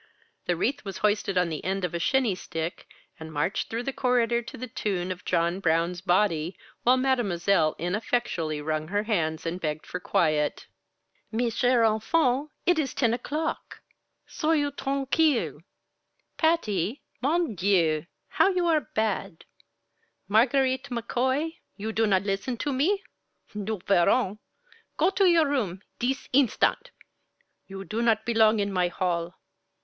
The wreath was hoisted on the end of a shinny stick and marched through the corridor to the tune of "John Brown's Body," while Mademoiselle ineffectually wrung her hands and begged for quiet. "Mes chères enfantes it is ten o'clock. Soyez tranquilles. Patty Mon Dieu How you are bad! Margarite McCoy, you do not listen to me? Nous verrons! Go to your room, dis in stant! You do not belong in my hall.